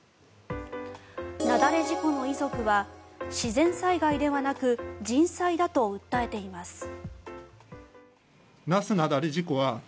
雪崩事故の遺族は自然災害ではなく人災だと訴えています。